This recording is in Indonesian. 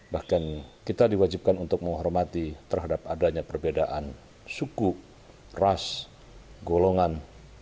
bahkan kita diwajibkan untuk menghormati terhadap adanya perbedaan suku ras golongan